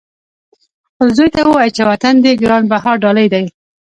خپل زوی ته ووایه چې وطن دې ګران بها ډالۍ دی.